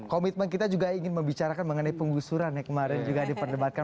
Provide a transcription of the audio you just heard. komitmen kita juga ingin membicarakan mengenai penggusuran yang kemarin juga diperdebatkan